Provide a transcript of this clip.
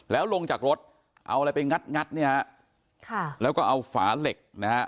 แล้วลงจากรถเอาอะไรไปงัดงัดเนี่ยฮะค่ะแล้วก็เอาฝาเหล็กนะฮะ